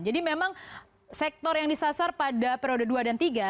jadi memang sektor yang disasar pada periode dua dan tiga